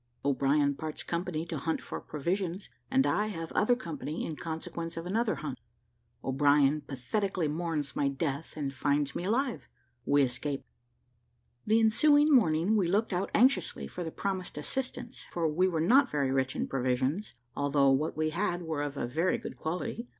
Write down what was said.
O'BRIEN PARTS COMPANY TO HUNT FOR PROVISIONS, AND I HAVE OTHER COMPANY IN CONSEQUENCE OF ANOTHER HUNT O'BRIEN PATHETICALLY MOURNS MY DEATH AND FINDS ME ALIVE WE ESCAPE. The ensuing morning we looked out anxiously for the promised assistance, for we were not very rich in provisions, although what we had were of a very good quality.